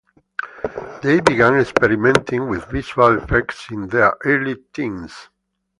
They began experimenting with visual effects in their early teens.